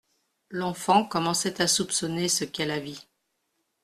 L'enfant commençait à soupçonner ce qu'est la vie.